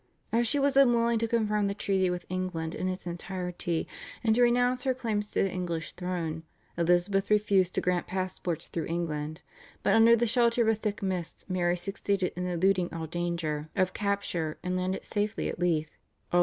As she was unwilling to confirm the treaty with England in its entirety and to renounce her claims to the English throne, Elizabeth refused to grant passports through England, but under the shelter of a thick mist Mary succeeded in eluding all danger of capture and landed safely at Leith (Aug.